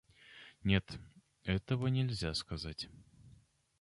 Нет, этого нельзя сказать.